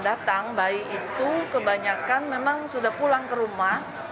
datang bayi itu kebanyakan memang sudah pulang ke rumah